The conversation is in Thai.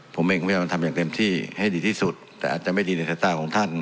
ผมเองก็พยายามทำอย่างเต็มที่ให้ดีที่สุดแต่อาจจะไม่ดีในสายตาของท่าน